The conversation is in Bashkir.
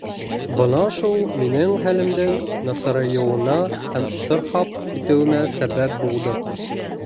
Бына шул минең хәлемдең насарайыуына һәм сырхап китеүемә сәбәп булды.